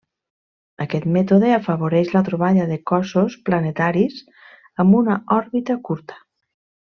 Aquest mètode afavoreix la troballa de cossos planetaris amb una òrbita curta.